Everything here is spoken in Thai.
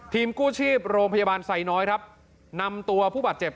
กู้ชีพโรงพยาบาลไซน้อยครับนำตัวผู้บาดเจ็บ